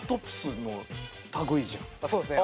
そうですね。